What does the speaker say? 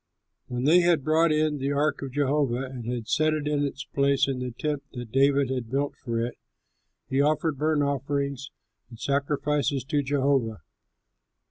When they had brought in the ark of Jehovah and had set it in its place in the tent that David had built for it, he offered burnt offerings and sacrifices to Jehovah.